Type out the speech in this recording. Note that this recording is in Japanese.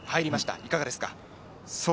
いかがですか？